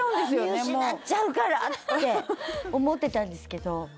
見失っちゃうからって思ってたんですけど